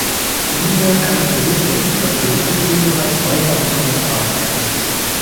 Nunmehr kann ich berichten, dass wir die Angelegenheit weiter untersucht haben.